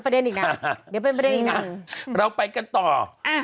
อีกนะเดี๋ยวเป็นประเด็นอีกนะเราไปกันต่ออ่า